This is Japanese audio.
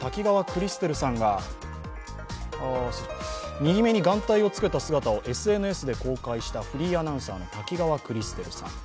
右目に眼帯をつけた姿をＳＮＳで公開したフリーアナウンサーの滝川クリステルさん。